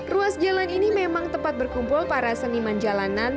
ruas jalan ini memang tempat berkumpul para seniman jalanan